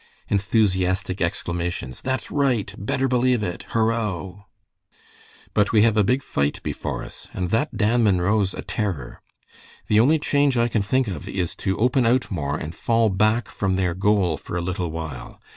Enthusiastic exclamations, "That's right!" "Better believe it!" "Horo!" "But we have a big fight before us. And that Dan Munro's a terror. The only change I can think of is to open out more and fall back from their goal for a little while.